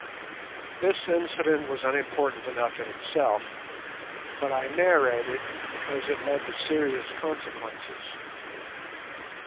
This incident was unimportant enough in itself, but I narrate it because it led to serious consequences.